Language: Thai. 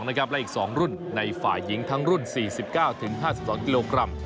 ๑๔ต่อ๑๒นะครับและอีก๒รุ่นในฝ่ายหญิงทั้งรุ่น๔๙ถึง๕๒กิโลกรัม